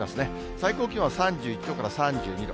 最高気温は３１度から３２度。